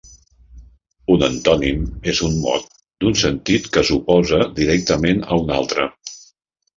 Un antònim és un mot d'un sentit que s'oposa directament a un altre.